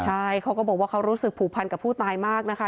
ใช่เขาก็บอกว่าเขารู้สึกผูกพันกับผู้ตายมากนะคะ